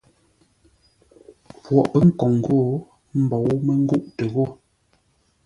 Poghʼ pə̌ nkǒŋ ghô, ə́ mbǒu mə́ ngûʼtə ghô.